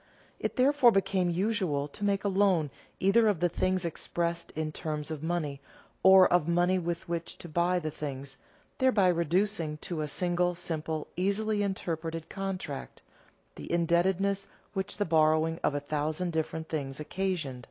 It therefore became usual to make a loan either of the things expressed in terms of money, or of money with which to buy the things, thereby reducing to a single, simple, easily interpreted contract, the indebtedness which the borrowing of a thousand different things occasioned.